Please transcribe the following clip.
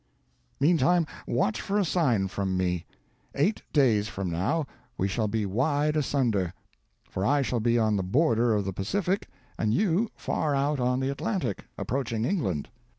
Meantime, watch for a sign from me. Eight days from now, we shall be wide asunder; for I shall be on the border of the Pacific, and you far out on the Atlantic, approaching England.